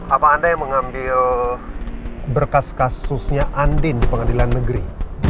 apa anda yang mengambil berkas kasusnya andin di pengadilan negeri